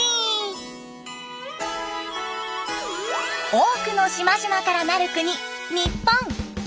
多くの島々からなる国日本。